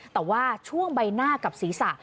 แต่ว่าช่วงใบหน้ากับศีรษะ